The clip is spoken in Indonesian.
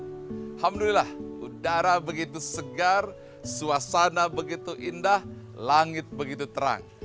alhamdulillah udara begitu segar suasana begitu indah langit begitu terang